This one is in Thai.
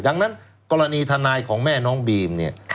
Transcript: ดังนั้นกรณีทนายของแม่น้องบีมเนี่ย